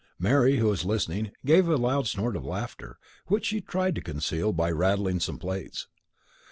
Mary, who was listening, gave a loud snort of laughter, which she tried to conceal by rattling some plates.